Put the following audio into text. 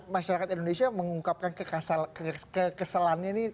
masyarakat indonesia mengungkapkan kekeselannya ini